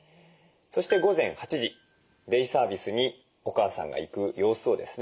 そして午前８時デイサービスにお母さんが行く様子をですね